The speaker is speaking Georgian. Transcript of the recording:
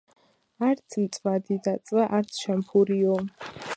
არც მწვადი დაწვა, არც შამფურიო